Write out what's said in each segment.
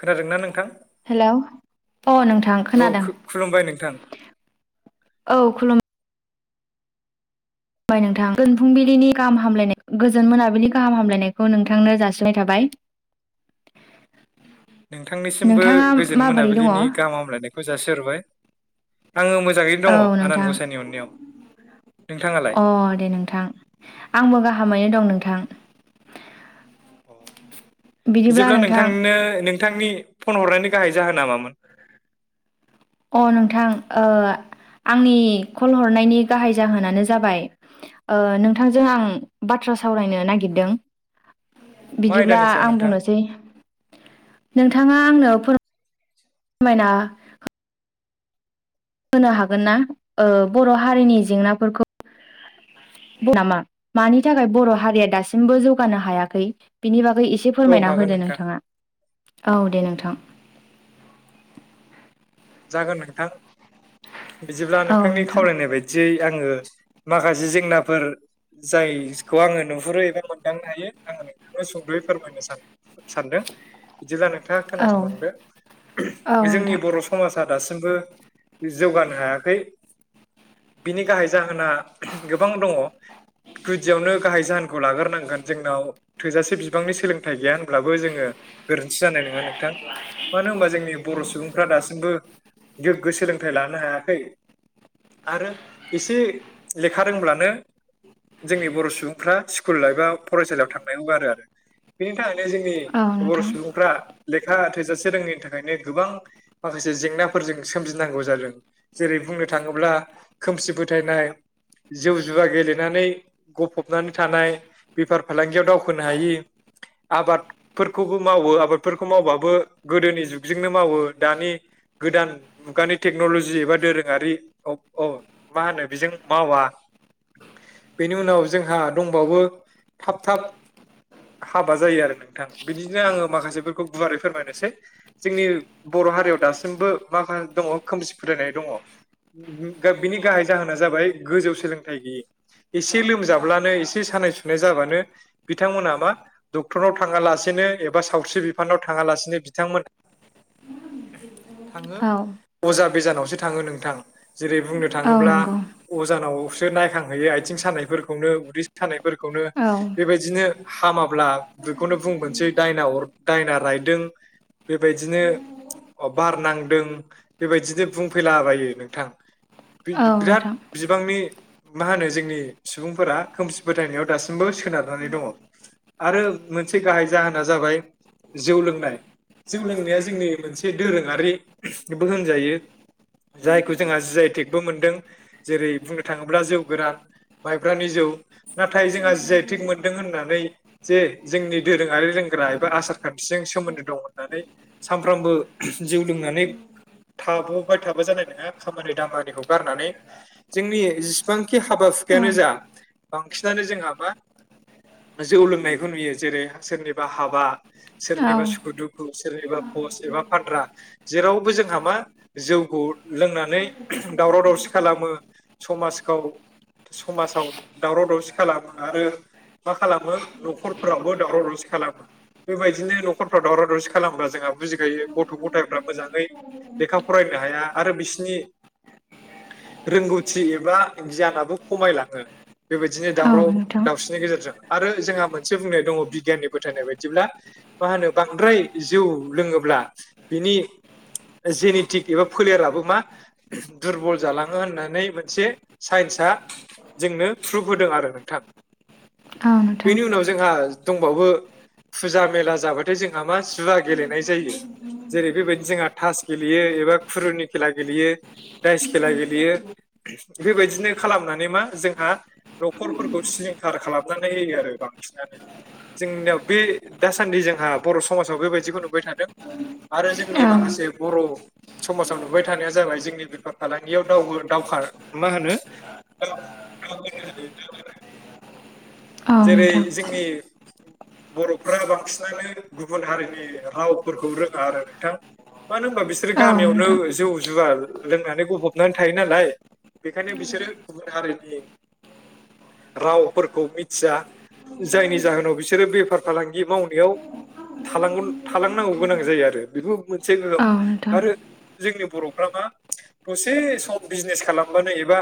खोनादोंना नोंथां? हेलौ अ नोंथां औ खोनादों खु- खुलुमबाय नोंथां औ खुलुम बाय नोंथां गोजोन फुंबिलिनि गाहाम हामलायनाय गोजोन मोनाबिलि गाहाम हामलायनायखौ नोंथांनो जासिबाय थाबाय। नोंथांनिसिमबो नोंथाङा गोजोन माबोरै दङ मोनाबिलिनि औ गाहाम हामलायनायखौ जासिहरबाय। आङो मोजाङैनो दङ आनान नोंथां गसाइनि अननायाव। नोंथाङालाय अ दे नोंथां आंबो गाहामैनो दं नोंथां। बिदिब्ला जेब्ला नोंथां नोंथांनो नों थांनि फन हरनायनि गाहाय जाहोना मामोन? अ नोंथां ओ आंनि कल हरनायनि गाहाय जाहोनानो जाबाय ओ नोंथांजों आं बाथ्रा सावरायनो नागिरदों। मा बिदिब्ला आयदानि सायाव आं नोंथां बुंनोसै नोंथांङा आंनो फोरमायना होनो हागोन ना ओ बर' हारिनि जेंनाफोरखौ? नामा मानि थाखाय बर' हारिया दासिमबो जौगानो हायाखै बिनि बा गै इसे औ फोरमायना हागोन होदो नोंथां नोंथाङा औ दे नोंथां। जागोन नोंथां बिदिब्ला औ नोंथांनि नोंथां खावलायनाय बायदियै आङो माखासे जेंनाफोर जायखौ आङो नुहुरो एबा मोनदांनो हायो आङो नोंथांनो सुंद'यै फोरमायनो सान सानदों। बिदिब्ला नोंथाङा औ खोनासंलांदो औ जोंनि नोंथां बर' स माजा दासिमबो जौगानो हायाखै बिनि गाहाय जाहोना गोबां दङ गुदियावनो गाहाय जाहोन खौ लाग्रोनांगोन जोंनाव थोजासे बिबांनि सोलोंथाइ गैया होनब्लाबो जोङो गोरोन्थि जानाय नङा नोंथां। मानो होनबा जोंनि बर' सुबुंफ्रा दासिमबो गोग्गो सोलोंथाइ लानो हायाखै। आरो इसे लेखा रोंब्लानो जोंनि बर' सुबुंफ्रा स्कुल एबा फरायसालियाव थांनायखौ गारो आरो बिनि थाखाय नो जोंनि औ बर' नोंथां सुबुंफ्रा लेखा थोजासे रोङैनि थाखायनो गोबां माखासे जेंनाफोरजों सोमजिनांगौ जादों। जेरै बुंनो थाङोब्ला खोमसि फोथायनाय जौ जुवा गेलेनानै गफबनानै थानाय बेफार फालांगियाव दावखोनो हायि आबादफोरखौबो मावो आबादफोरखौ मावबाबो गोदोनि जुगजोंनो मावो। दानि गोदान मुगानि टेक्न'ल'जि एबा दोरोङारि अ मा होनो बेजों मावा। [inaudible] बेनि उनाव जोंहा दंबावो थाब थाब हाबा जायो आरो नोंथां बिदिनो आंङो माखासेफोरखौ गुवारै फोरमायनोसै जोंनि बर' हारियाव दासिमबो माखा दंङ खोमसि फोथायनाय दंङ। बिनि गाहाय जाहोना जाबाय गोजौ सोलोंथायाइ गैयै। एसे लोमजाब्लानो एसे सानाय सुनाय जाबानो बिथांमोना मा डक्टराव थाङालासे एबा सावस्रि बिफानाव थांङालासिनो बिथांमोना [inaudible] थांङो औ अजा बिजानावसो थांङो नोंथां। जेरै बुंनो औ थांङोब्ला नंगौ अजानावसो नायखांहैयो आथिं सानायफोरखौनो उदै सानाय फोरखौनो औ बेबायदिनो हामाब्ला बेखौनो बुंबोनोसै दायना अर दायना रायदों बेबायदिनो अ बार नांदों बेबायदिनो बुंफैलाबायो नोंथां। औ बि-बि-बिराद नोंथां बिबांनि मा होनो जोंनि सुबुंफोरा खोमसि फोथायनायाव दासिमबो सोनारनानै दंङ। आरो मोनसे गाहाय जाहोना जाबाय जौ लोंनाय। जौ लोंनाया जोंनि मोनसे दोरोङारि बो होनजायो जायखौ जोंहा जि आइ टेकबो मोनदों जेरै बुंनो थांङोब्ला जौ गोरान माइब्रानि जौ नाथाय जोंहा जि आइ टेक मोनदों होननानै जे जोंनि दोरोङारि लों ग्रा एबा आसार खान्थिजों सोमोन्दो दं होननानै सानफ्रामबो जौ लोंनानै थाबोबाय थाबा जानाय नंङा खामानि दामानिखौ गारनानै। जोंनि जेसेबांखि हाबा हु औ खायानो जा बांसिनानो जोंहा मा? जौ लोंनायखौ नुयो। जेरै सोरनिबा हाबा औ सोरनिबा सुखु दुखु सोरनिबा बस एबा फानग्रा जेरावबो जोंहा मा जौखौ लोंनानै दावराव दावसि खालामो। समाजखौ समाजाव दावराव दावसि खालामो आरो मा खालामो न'खरफोरावबो दावराव दावसि खालामो। बेबायदिनो न'खरफ्रा दावराव दावसि खालामब्ला जोंहा बुजिखायो गथ' गथायफ्रा मोजाङै लेखा फरायनो हाया। आरो बिसि नि रोंगौथि एबा गियानाबो खमायलांङो। बेबायदिनो औ दावराव नोंथां दावसिनि गेजेरजों आरो जोंहा मोनसे बुंनाय दंङ बिगियाननि फोथायनाय बायदिब्ला। मा होनो बांद्राय जौ लोंङोब्ला बिनि जेनेटिक एबा फोलेराबो मा दुरबल जालांङो होननानै मोनसे साइन्स आ जोंनो प्रुफ होदों आरो नोंथां। [inaudible] बेनि उनाव जोंहा दंबावो फुजा-मेला जाबाथाय जोंहा मा जुवा गेले नाय जायो जेरै बेबायदिनो जोंहा थास गेलेयो एबा खुरुनि खेला गेलेयो। दाइस खेला गेलेयो। बेबायदिनो खालामनानै मा जोंहा न'खरफोरखौ सिलिंखार खालामनानै होयो आरो बां सिनानो जोंनियाव बे दासान्दि जोंहा बर' समाजाव बेबायदिखौ नु बाय थादों आरो जोंनि औ माखासे बर' समाजाव नुबाय थानाया जाबाय जोंनि बेफार फालांगियाव दावो दावखार मा होनो औ दावबायनाय आरो दावगानाय औ जेरै नोंथां जोंनि बर'फोरा बांसिनानो गुबुन हारिनि रावफोरखौ रोंङा आरो नोंथां। मानो होनबा बिसोरो औ गामियावनो नोंथां जौ जुवा लोंनानै गफबनानै थायो नालाय बेखायनो बिसोरो गुबुन हारिनि रावफोरखौ मिथि या जायनि जाहोनाव बिसोरो बेफार फालांगि मावनायाव थाल थालांनांगौ गोनां जायो आरो बेबो मोनसे औ नोंथां आरो औ जोंनि बर'फ्रा मा दसे सम बिजनेस खालामबानो एबा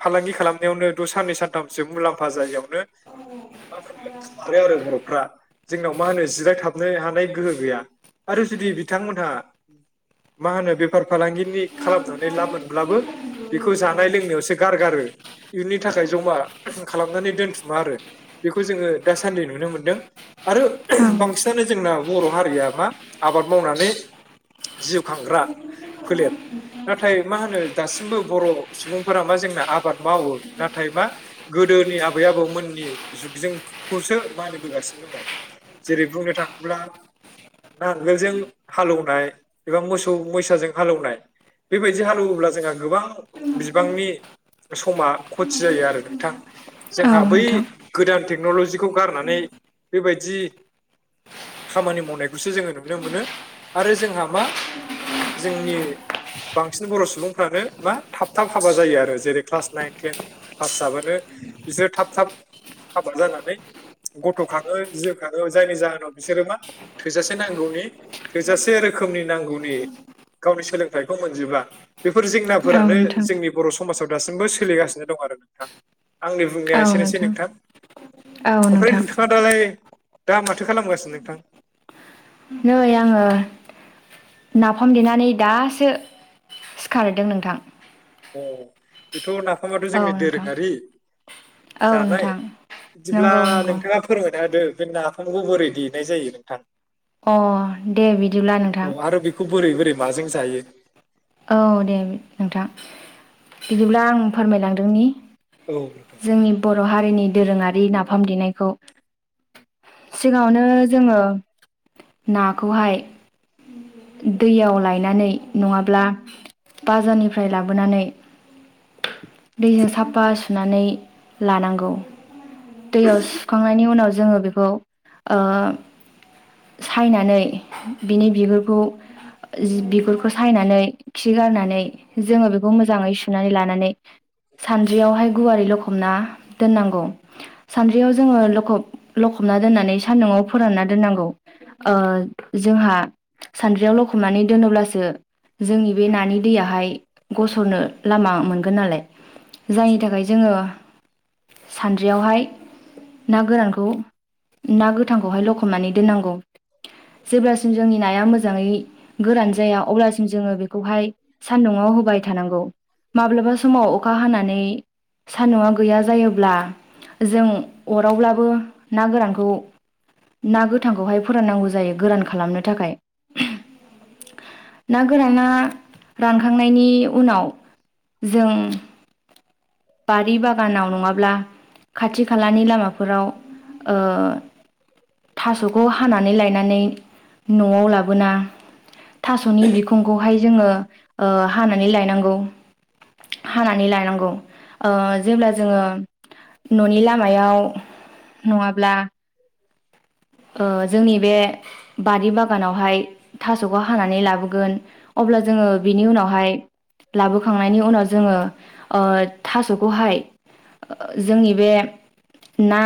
फालांगि खालामनायावनो द साननै सानथामसो मुलाम्फा जायियावनो औ आरो बर'फ्रा जोंनाव मा होनो जिरायथाबनो हानाय गोहो गैया। आरो जुदि बिथांमोनहा मा होनो बेफार फालांगिनि खालामनानै मोनब्लाबो बेखौ जानाय लोंनायावसो गारगारो। इनि थाखाय जमा खालामनानै दोनथुम मा आरो बेखौ जोङो दासान्दि नुनो मोनदों आरो बांसिनानो जोंना बर' हारिया मा आबाद मावनानै जिउ खांग्रा फोलेर। नाथाय मा होनो दासिमबो बर' सुबुंफोरा मा जोंना आबाद मावो नाथाय मा गोदो गोदोनि आबै-आबौमोन मोननि जुगजोंखौसो मानिबोगासिनो दङ जेरै बुंनो थाङोब्ला नांगोलजों हालेवनाय एबा मोसौ मोसाजों हालौवनाय बेबायदि हालेवोब्ला जोंहा गोबां बिबांनि समा खथि जायो आरो नोंथां जोंहा औ बै नोंथां औ गोदान टेक्न'लजिखौ गारनानै बेबायदि खामानि मावनायखौसो जोङो नुनो मोनो आरो जोंहा मा जोंनि बांसिन बर' सुबुंफ्रानो मा थाब थाब हाबा जायो आरो जेरै क्लास नाइन टेन पास जाबानो बिसोरो थाब थाब हाबा जानानै गथ' खाङो जो खाङो जायनि जाहोनाव बिसोरो मा थोजासे नांगौनि थोजासे रोखोम। नांगौनि गावनि सोलोंथाइखौ मोनजोबा। बेफोर जेंनाफोरानो नोंथां जोंनि बर' समाजाव दासिमबो सोलिगासिनो दं आरो नोंथां आंनि बुंनाया एसे नोंथां औ ओमफ्राय नोंथां नोंथाङा दालाय दा माथो खालामगासिनो नोंथां? नै आङो नाफाम देनानै दासो सिखारदों नोंथां। अ बेथ' नाफामाथ' औ जोंनि नोंथां दोरोङारि। औ जानाय नोंथां बिदिब्ला नंगौ नंगौ नोंथाङा फोरमाय होदो बे नाफामखौ बोरै देनाय जायो नोंथां? अ दे बिदिब्ला औ नोंथां। आरो बेखौ बोरै बोरै माजों जायो? औ दे नोंथां बिदिब्ला आं फोरमायलांदोंनि। औ नोंथां। जोंनि बर' हारिनि दोरोङारि नाफाम देनायखौ सिगाङावनो जोङो नाखौहाय दैयाव लायनानै नङाब्ला बाजारनिफ्राय लाबोनानै दैजों साफा सुनानै लानांगौ। दैयाव सुखांनायनि उनाव जोङो बेखौ सायनानै बिनि बिगुरखौ जि बिगुरखौ सायनानै खि गारनानै जोङो बेखौ मोजाङै सुनानै लानानै। सानद्रियावहाय गुवारि लखबना दोननांगौ। सानद्रियाव जोङो लखब लखबना दोननानै सान्दुंआव फोरानना दोननांगौ। ओ जोंहा सान्द्रियाव लखबनानै दोनोब्लासो जोंनि बे नानि दैयाहाय गसरनो लामा मोनगोन नालाय। जायनि थाखाय जोङो सानद्रियावहाय ना गोरानखौ खौ ना गोथांखौहाय लखमनानै दोननांगौ। जेब्लासिम जोंनि नाया मोजाङै गोरान जाया अब्लासिम जोङो खौहाय सान्दुंङाव होबाय थानांगौ माब्लाबा समाव अखा हानानै सान्दुआ गैया जायोब्ला जों अरावब्लाबो ना गोरानखौ खौ ना गोथांखौहाय फोराननांगौ जायो गोरान खालामनो थाखाय। ना गोराना रानखांनायनि उनाव जों बारि बागानाव नंङाब्ला खाथि खालानि लामाफोराव ओ थास'खौ हानानै लायनानै न'आव लाबोना थास'नि बिखुंखौहाय जोंङो ओ हानानै लायनांगौ। हानानै लानांगौ। ओ जेब्ला जोंङो न'नि लामायाव नंङाब्ला ओ जोंनि बे बारि बागानावहाय थास'खौ हानानै लाबोगोन। अब्ला जोंङो बिनि उनावहाय लाबोखांनायनि उनाव जोंङो ओ थास'खौहाय। जोंनि बे ना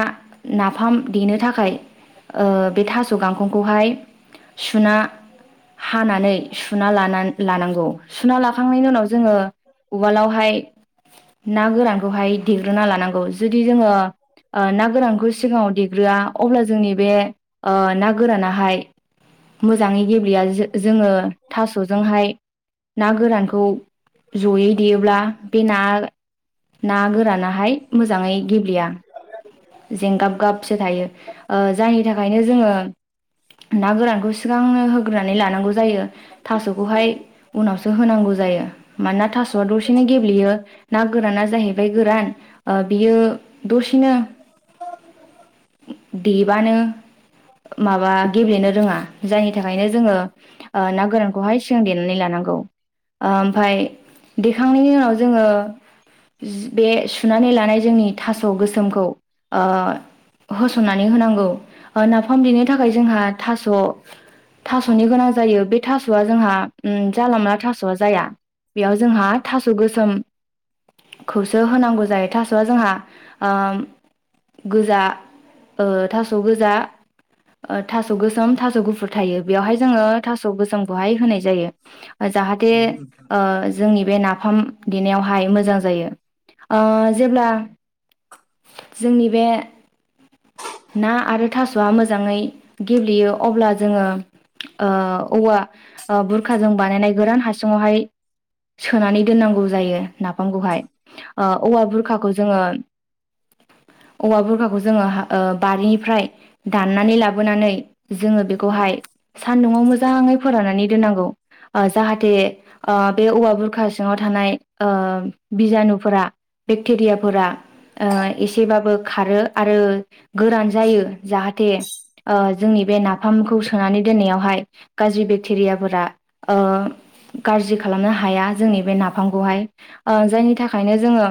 नाफाम देनो थाखाय ओ बे थास' गांखंखौहाय सुना हानानै सुना लाना लानांगौ सुना लाखांनायनि उनाव जोंङो उवालावहाय ना गोरानखौहाय देग्रोना लानांगौ जुदि जोंङो ओ ना गोरानखौ सिगां [unintelligible] देग्रोआ अब्ला जोंनि बे ओ ना गोरानाहाय मोजांङै गेब्लेया जो जोंङो थास'जोंहाय ना गोरानखौ जयै देयोब्ला बे ना ना गोरानाहाय मोजांङै गेब्लेया। जेंगाब गाबसो थायो ओ जायनि थाखायनो जोंङो ना गोरानखौ सिगांनो होग्रोनानै लानांगौ। जायो थास'खौहाय उनावसो होनांगौ जायो मानोना थास'आ दसेनो गेब्लेयो। ना गोराना जाहैबाय गोरान ओ बियो दसेनो देबानो माबा गेब्लेनो रोंङा जायनि थाखायनो जोंङो ओ ना गोरानखौहाय सिगां देनानै लानांगौ। ओमफाय देखांनायनि उनाव जोंङो बे सुनानै लानाय जोंनि थास' गोसोमखौ ओ होसननानै होनांगौ ओ नाफाम देनो थाखाय जोंहा थास' थास'नि गोनां जायो बे थास'आ जोंहा ओम जाला मोनला थास'आ जाया। बेयाव जोंहा थास' गोसोम। खौसो होनांगौ जायो थास'आ जोंहा ओम गोजा ओ थास' गोजा। ओ थास' गोसोम थास' गुफुर थायो बेयावहाय जोंङो थास' गोसोमखौहाय होनाय जायो। जाहाथे नंगौ नोंथां ओ जोंनि बे नाफाम देनायावहाय मोजां जायो ओ जेब्ला जोंनि बे ना आरो थास'आ मोजाङै गेब्लेयो अब्ला जोंङो ओ औवा बुरखाजों बानायनाय गोरान हासुुंवाहाय सोनानै दोननांगौ जायो नाफामखौहाय ओ औवा बुरखाखौ जोंङो औवा बुरखाखौ जोंङो ओ बारिनिफ्राय दाननानै लाबोनानै जोंङो बेखौहाय सान्दुंङआव मोजांङै फोराननानै दोननांगौ। ओ जाहाथे ओ बे औवा बुरखा सिङाव थानाय ओ बिजानुफोरा बेक्टेरियाफोरा ओ एसेबाबो खारो आरो गोरान जायो जाहाथे ओ जोंनि बे नाफामखौ सोनानै दोननायावहाय गाज्रि बेक्टेरियाफोरा ओ गाज्रि खालामनो हाया जोंनि बे नाफामखौहाय ओ जायनि थाखायनो जोंङो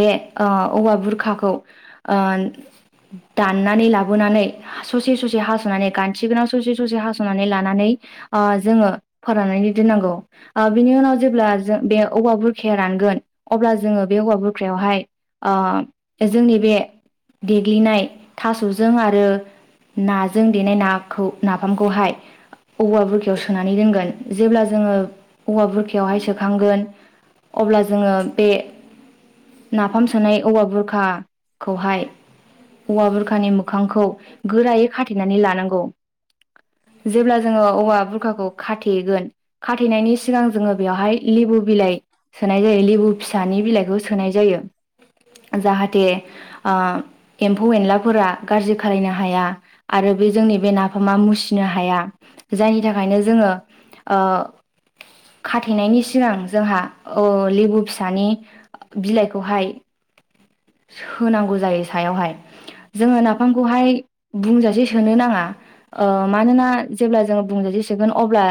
बे ओ औवा बुरखाखौ ओ दाननानै लाबोनानै ससे ससे हास'नानै गोनाव ससे ससे हास'नानै लानानै जोङो फोराननानै दोननांगौ। ओ बिनि उनाव जेब्ला जों बे औवा बुरखाया रानगोन अब्ला जोङो बे औवा बुरखायावहाय ओ जोंनि बे देग्लिनाय थास'जों आरो नाजों देनाय ना खौ नाफामखौहाय औवा बुरखायाव सोनानै दोनगोन जेब्ला जोङो औवा बुरखायावहाय सो [unintelligible] अब्ला जोङो बे नाफाम सोनाय औवा बुरखाखौहाय औवा बुरखानि मोखांखौ गोरायै खाथेनानै लानांगौ। जेब्ला जोङो औवा बुरखाखौ खाथेगोन खाथेनायनि सिगां जोङो बेवहाय लेबु बिलाइ सोनाय जायो लेबु फिसानि बिलाइखौ सोनाय जायो। जाहाथे ओ एम्फौ एनलाफोरा गाज्रि खाायनो हाया आरो बे जोंनि बे नाफामा मुसिनो हाया। जायनि थाखायनो जोङो ओ खाथेनायनि सिगां जोंहा ओ लेबु फिसानि बिलाइखौहाय होनांगौ जायो सायावहाय। जोङो नाफामखौहाय बुंजासे सोनो नाङा ओ मानोना जेब्ला जोङो जों जुदि सोगोन अब्ला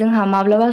जोंहा माब्लाबा